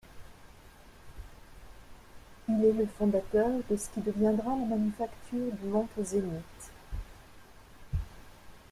Il est le fondateur de ce qui deviendra la manufacture de montres Zenith.